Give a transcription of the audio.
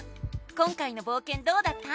今回のぼうけんどうだった？